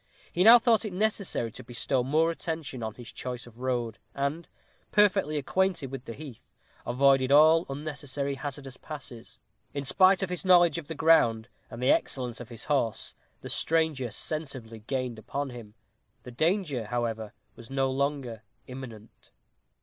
He now thought it necessary to bestow more attention on his choice of road, and, perfectly acquainted with the heath, avoided all unnecessary hazardous passes. In spite of his knowledge of the ground, and the excellence of his horse, the stranger sensibly gained upon him. The danger, however, was no longer imminent.